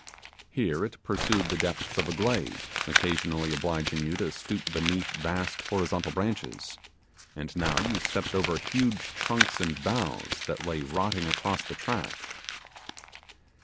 Here it pursued the depths of a glade, occasionally obliging you to stoop beneath vast horizontal branches; and now you stepped over huge trunks and boughs that lay rotting across the track.